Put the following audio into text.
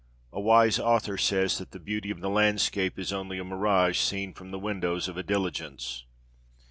A wise author says that the beauty of the landscape is only a mirage seen from the windows of a diligence.